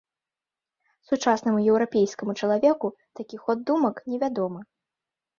Сучаснаму еўрапейскаму чалавеку такі ход думак невядомы.